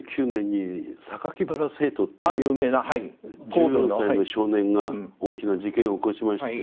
１４歳の少年が大きな事件を起こしまして。